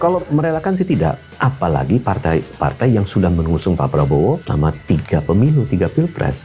kalau merelakan sih tidak apalagi partai partai yang sudah mengusung pak prabowo selama tiga pemilu tiga pilpres